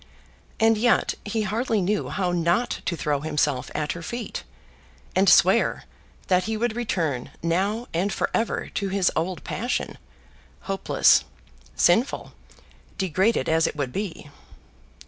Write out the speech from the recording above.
And yet he hardly knew how not to throw himself at her feet, and swear, that he would return now and for ever to his old passion, hopeless, sinful, degraded as it would be.